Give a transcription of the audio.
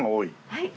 はい。